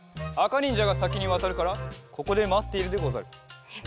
あかにんじゃがさきにわたるからここでまっているでござる。